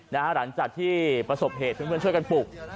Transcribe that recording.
หลังจากที่ประสบเหตุเพื่อนช่วยกันปลุก